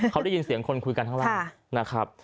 เขาได้ยินเสียงคนคุยกันข้างล่างนะครับ